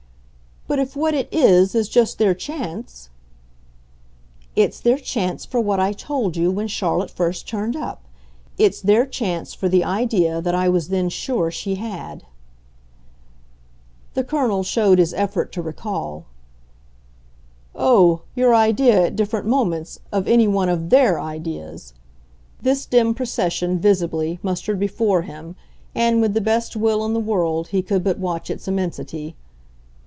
"But if what it 'is' is just their chance ?" "It's their chance for what I told you when Charlotte first turned up. It's their chance for the idea that I was then sure she had." The Colonel showed his effort to recall. "Oh, your idea, at different moments, of any one of THEIR ideas!" This dim procession, visibly, mustered before him, and, with the best will in the world, he could but watch its immensity.